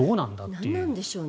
何なんでしょうね。